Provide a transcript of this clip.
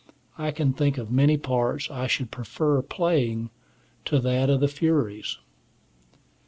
I can think of many parts I should prefer playing to that of the Furies.